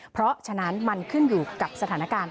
เพราะฉะนั้นมันขึ้นอยู่กับสถานการณ์